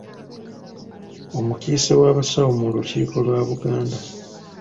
Omukiise w'abasawo mu lukiiko lwa Buganda.